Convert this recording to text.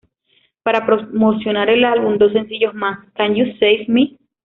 Para promocionar el álbum, dos sencillos más, "Can You Save Me?